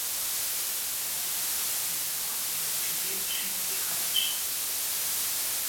Elle a grandi à Dublin et a étudié au Trinity College.